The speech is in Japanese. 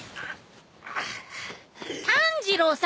炭治郎さん！